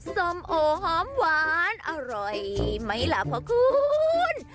ส้มโอหอมหวานอร่อยไหมล่ะพ่อคุณ